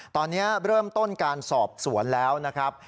ตอนนี้เริ่มต้นการสอบสวนแล้วนะครับ